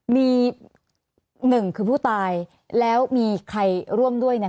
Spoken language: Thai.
มีหนึ่งคือผู้ตายแล้วมีใครร่วมด้วยเนี่ย